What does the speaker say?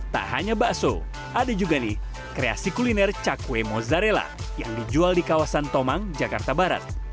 tak hanya bakso ada juga nih kreasi kuliner cakwe mozzarella yang dijual di kawasan tomang jakarta barat